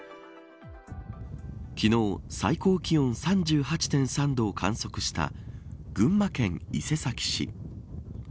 昨日、最高気温３８．３度を観測した群馬県伊勢崎市。